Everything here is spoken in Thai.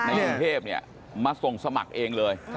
ในกรณีเทพฯมาส่งสมัครเองเลย